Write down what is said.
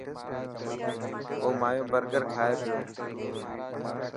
او مايو برگر کائي پيو.